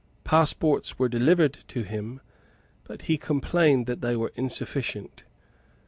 Passports were delivered to him; but he complained that they were insufficient.